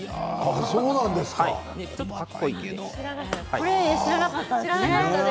これ知らなかったですよね。